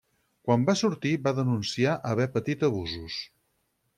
Quan va sortir va denunciar haver patit abusos.